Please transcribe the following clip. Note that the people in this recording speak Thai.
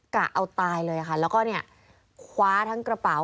กะเอาตายเลยค่ะแล้วก็เนี่ยคว้าทั้งกระเป๋า